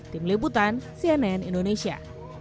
tim liputan cnn indonesia